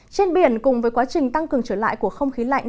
trên biển cùng với quá trình tăng cường trở lại của không khí lạnh